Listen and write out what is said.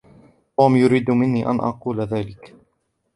توم يريد مِني أن أقول ذلك.